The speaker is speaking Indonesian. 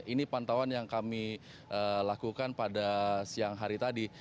ini pantauan yang kami lakukan pada siang hari tadi